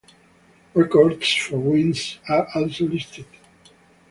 Records for wins are also listed.